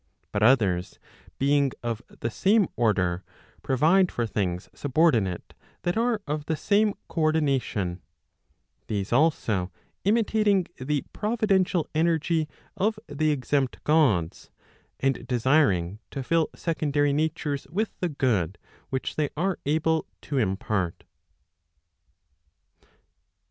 But others being of the same order, provide for things subordi¬ nate that are of the same co ordination; these also imitating the providential energy of the exempt Gods, and desiring to fill secondary natures with the good which they are able to impart.